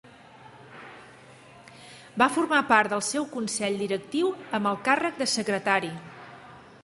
Va formar part del seu Consell Directiu amb el càrrec de secretari.